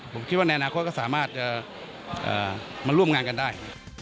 ผมคิดว่าในอนาคตก็สามารถจะมาร่วมงานกันได้